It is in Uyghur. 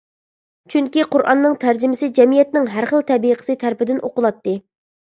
چۈنكى قۇرئاننىڭ تەرجىمىسى جەمئىيەتنىڭ ھەر خىل تەبىقىسى تەرىپىدىن ئوقۇلاتتى.